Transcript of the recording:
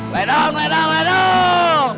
ledang ledang ledang